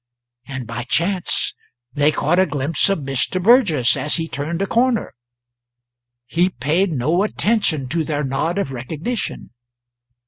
And by chance they caught a glimpse of Mr. Burgess as he turned a corner. He paid no attention to their nod of recognition!